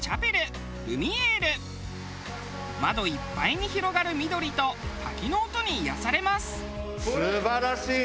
窓いっぱいに広がる緑と滝の音に癒やされます。